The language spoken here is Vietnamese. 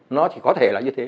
nó chỉ có thể là như thế